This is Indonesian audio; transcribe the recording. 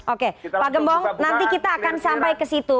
oke pak gembong nanti kita akan sampai ke situ